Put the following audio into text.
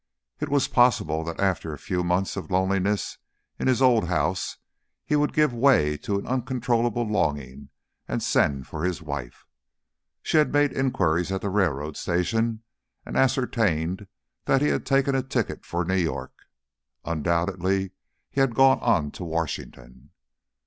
It was possible that after a few months of loneliness in his old house he would give way to an uncontrollable longing and send for his wife. She had made inquiries at the railroad station, and ascertained that he had taken a ticket for New York. Undoubtedly he had gone on to Washington.